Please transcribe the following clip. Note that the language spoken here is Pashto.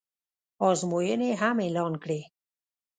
ازموینې هم اعلان کړې